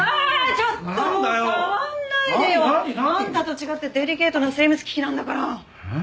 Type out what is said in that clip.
ちょっともう触んないでよ！あんたと違ってデリケートな精密機器なんだから。